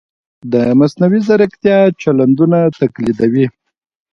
د مصنوعي ځیرکتیا چلندونه تقلیدوي.